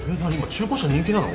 中古車人気なの？